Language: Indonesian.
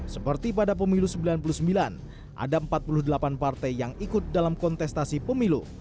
seperti pada pemilu seribu sembilan ratus sembilan puluh sembilan ada empat puluh delapan partai yang ikut dalam kontestasi pemilu